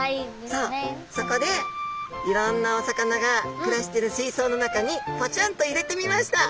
そうそこでいろんなお魚が暮らしてる水槽の中にぽちゃんと入れてみました。